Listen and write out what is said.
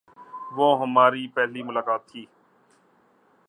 وہ ہماری پہلی ملاقات تھی۔